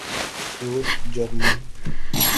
Swiss German